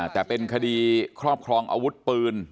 แต่เป็นคดีครอบครองอาวุธปืน